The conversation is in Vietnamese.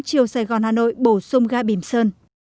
tàu se một chiều sài gòn hà nội bổ sung ga bìm sơn